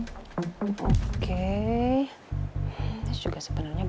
sebenernya ini juga berubah